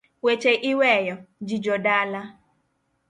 Weche iweyo, ji jodala.